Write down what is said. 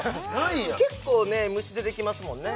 結構ね虫出てきますもんね